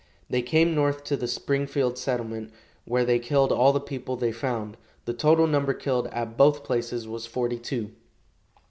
They came north to the Springfield settlement, where they killed all the people they found. The total number killed at both places was forty two.